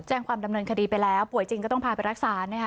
แจ้งความดำเนินคดีไปแล้วป่วยจริงก็ต้องพาไปรักษานะคะ